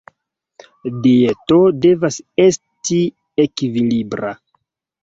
Dieto devas esti ekvilibra.